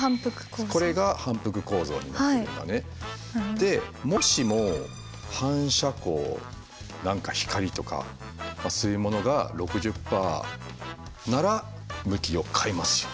でもしも反射光何か光とかそういうものが６０％なら向きを変えますよ。